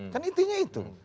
kan intinya itu